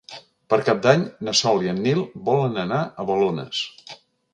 Per Cap d'Any na Sol i en Nil volen anar a Balones.